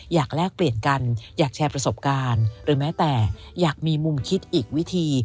แลกเปลี่ยนกันอยากแชร์ประสบการณ์หรือแม้แต่อยากมีมุมคิดอีกวิธี